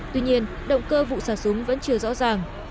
tuy nhiên động cơ vụ xả súng vẫn chưa rõ ràng